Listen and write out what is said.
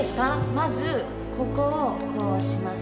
まずここをこうします。